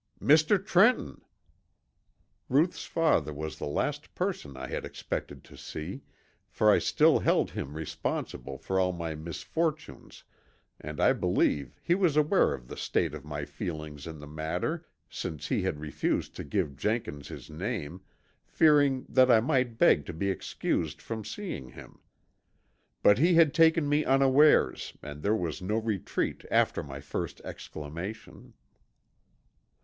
"Mr. Trenton!" Ruth's father was the last person I had expected to see, for I still held him responsible for all my misfortunes and I believe he was aware of the state of my feelings in the matter, since he had refused to give Jenkins his name, fearing that I might beg to be excused from seeing him. But he had taken me unawares and there was no retreat after my first exclamation.